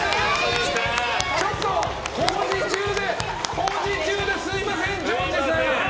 工事中ですみませんジョージさん！